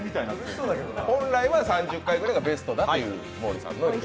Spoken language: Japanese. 本来は３０回くらいがベストだという毛利さんの意見。